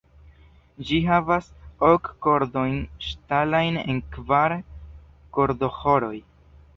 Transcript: Ĝi havas ok kordojn ŝtalajn en kvar kordoĥoroj.